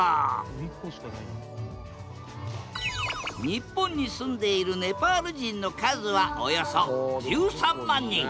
日本に住んでいるネパール人の数はおよそ１３万人。